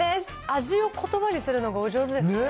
味をことばにするのがお上手ですね。